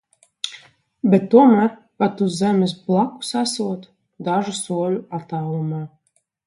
Bet tomēr, pat uz zemes blakus esot, dažu soļu attālumā.